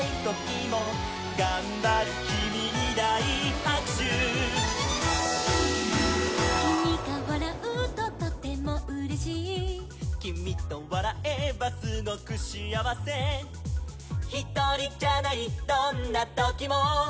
「がんばるキミにだいはくしゅ」「キミがわらうととてもうれしい」「キミとわらえばすごくしあわせ」「ひとりじゃないどんなときも」